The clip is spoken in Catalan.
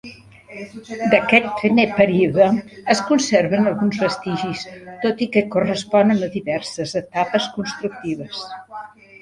D'aquest primer període es conserven alguns vestigis, tot i que corresponen a diverses etapes constructives.